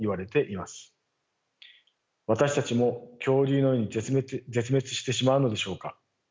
私たちも恐竜のように絶滅してしまうのでしょうか。